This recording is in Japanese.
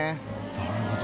なるほど。